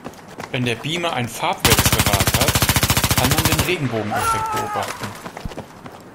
Wenn der Beamer ein Farbwechselrad hat, kann man den Regenbogeneffekt beobachten.